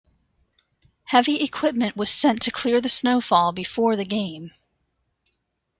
Heavy equipment was sent to clear the snowfall before the game.